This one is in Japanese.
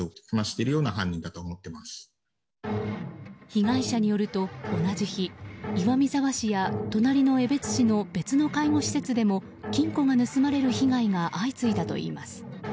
被害者によると同じ日岩見沢市や隣の江別市の別の介護施設でも金庫が盗まれる被害が相次いだといいます。